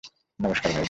নমস্কার, ভাই!